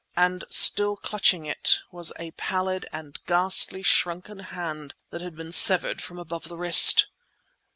And still clutching it was a pallid and ghastly shrunken hand that had been severed from above the wrist!